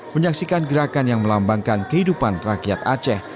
menyaksikan gerakan yang melambangkan kehidupan rakyat aceh